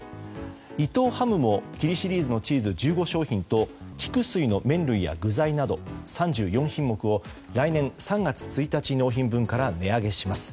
伊藤ハムもキリシリーズのチーズ１５商品と菊水の麺類や具材など３４品目を来年３月１日納品分から値上げします。